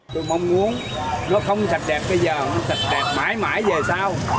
tôi mong muốn nó không sạch đẹp bây giờ sạch đẹp mãi mãi về sau